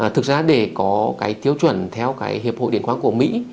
thực ra để có tiêu chuẩn theo hiệp hội điện khoáng của mỹ